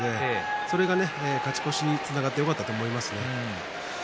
それが勝ち越しにつながってよかったと思います。